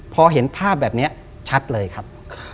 พอเห็นภาพแบบนี้ชัดเลยครับ